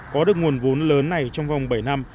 có được nguồn vốn lớn này trong vòng bảy năm